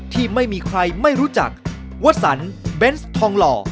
ที่ไม่มีใครไม่รู้จักวสันเบนส์ทองหล่อ